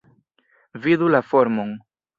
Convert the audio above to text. Vidu la formon.